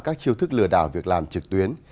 các chiêu thức lừa đảo việc làm trực tuyến